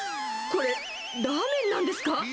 これ、ラーメンなんですか？